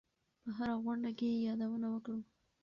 په هره غونډه کې یې یادونه وکړو.